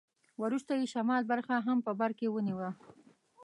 وروسته یې شمال برخه هم په برکې ونیوه.